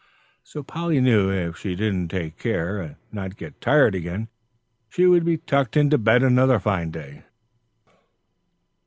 So Polly knew if she didn't take care and not get tired again, she would be tucked into bed another fine day.